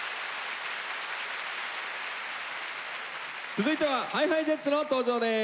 続いてはＨｉＨｉＪｅｔｓの登場です。